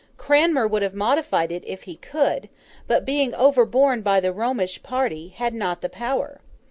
Cranmer would have modified it, if he could; but, being overborne by the Romish party, had not the power.